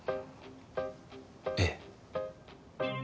ええ